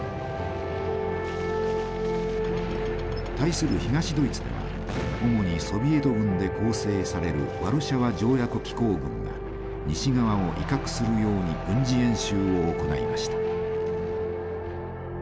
対する東ドイツでは主にソビエト軍で構成されるワルシャワ条約機構軍が西側を威嚇するように軍事演習を行いました。